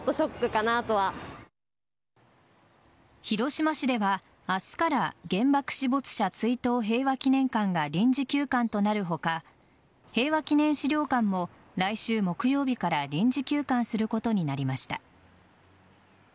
広島市では明日から原爆死没者追悼平和祈念館が臨時休館となる他平和記念資料館も来週木曜日から臨時休館することになりました。